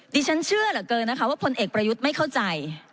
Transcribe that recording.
ดิฉันเชื่อเหลือเกินนะคะว่าพลเอกประยุทธ์ไม่เข้าใจ